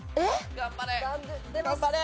頑張れ！